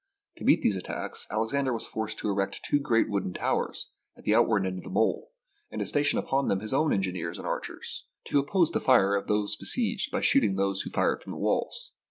To meet these attacks, Alexander was forced to erect two great wooden towers at the outward end of the mole, and to station upon them his own engineers and archers, to oppose the fire of the besieged by shooting those who fired from the walls.